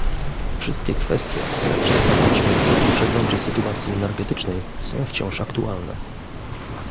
Wszystkie kwestie, które przedstawiliśmy w drugim przeglądzie sytuacji energetycznej, są wciąż aktualne